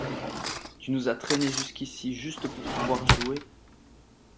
Tu nous as traînés jusqu’ici juste pour pouvoir jouer